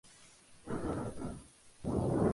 En presencia de glucosa, esta enzima se reduce.